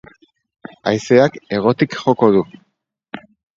Haizeak hegotik joko du.